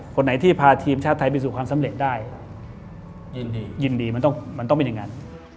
คนไหนที่พาทีมชาติไทยไปสู่ความสำเร็จได้ยินดียินดีมันต้องมันต้องเป็นอย่างนั้น